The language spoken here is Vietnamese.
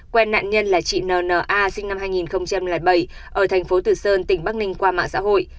quen nạn nhân là chị n n a sinh năm hai nghìn bảy ở tp tử sơn tỉnh bắc ninh qua mạng xã hội